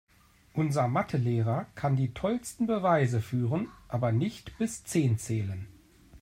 Unser Mathe-Lehrer kann die tollsten Beweise führen, aber nicht bis zehn zählen.